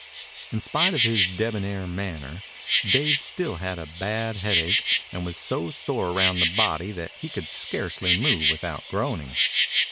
In spite of his debonair manner Dave still had a bad headache and was so sore around the body that he could scarcely move without groaning.